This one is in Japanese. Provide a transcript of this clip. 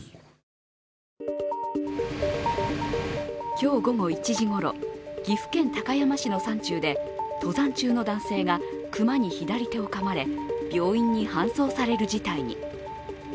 今日午後１時ごろ、岐阜県高山市の山中で岐阜県高山市の山中で登山中の男性が熊に左手をかまれ、病院に搬送される事態に。